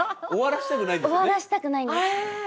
終わらしたくないんです。